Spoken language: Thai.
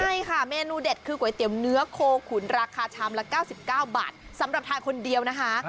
ใช่ค่ะเมนูเด็ดคือก๋วยเตี๋ยวเนื้อโคขุนราคาชามละ๙๙บาทสำหรับทานคนเดียวนะคะ